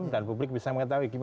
dan publik bisa mengetahui